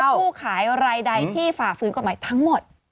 ผู้ขายรายใดที่ฝ่าฝืนกฎหมายทั้งหมด